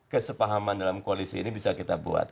kesepahaman dalam koalisi ini bisa kita buat